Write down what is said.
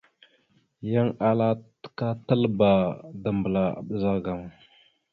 Yan ala təkatalba dambəla a ɓəzagaam a.